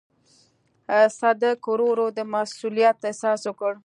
صدک ورو ورو د مسووليت احساس وکړ.